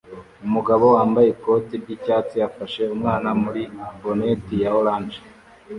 Umugabo wambaye ikoti ry'icyatsi afashe umwana muri bonnet ya orange